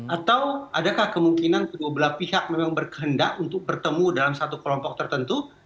atau adakah kemungkinan kedua belah pihak memang berkehendak untuk bertemu dalam satu kelompok tertentu